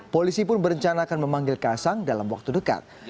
polisi pun berencanakan memanggil kaisang dalam waktu dekat